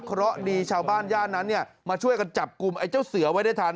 เพราะดีชาวบ้านย่านนั้นมาช่วยกันจับกลุ่มไอ้เจ้าเสือไว้ได้ทัน